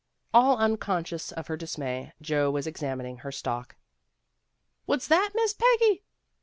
All unconscious of her dismay, Joe was ex amining her stock. "What's that, Miss Peggy?"